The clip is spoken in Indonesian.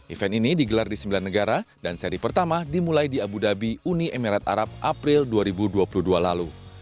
event ini digelar di sembilan negara dan seri pertama dimulai di abu dhabi uni emirat arab april dua ribu dua puluh dua lalu